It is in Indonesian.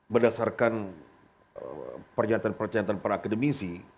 berdasarkan pernyataan pernyataan para akademisi